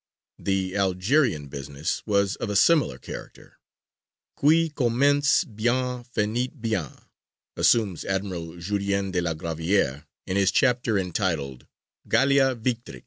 The "Algerian business" was of a similar character. Qui commence bien finit bien, assumes Admiral Jurien de la Gravière in his chapter entitled "Gallia Victrix."